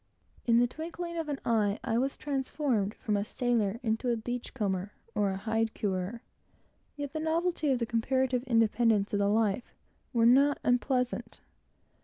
In the twinkling of an eye, I was transformed from a sailor into a "beach comber" and a hide curer; yet the novelty and the comparative independence of the life were not unpleasant.